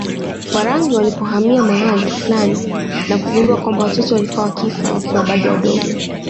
Warangi walipohamia mahali fulani na kugundua kwamba watoto walikuwa wakifa wakiwa bado wadogo